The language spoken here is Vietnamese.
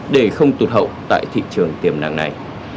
để không tụt hậu tại thị trường tiềm năng này